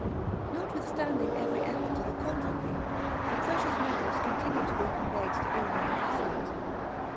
Notwithstanding every effort to the contrary, the precious metals continued to be conveyed to England and Holland.